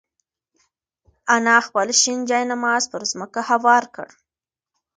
انا خپل شین جاینماز پر ځمکه هوار کړ.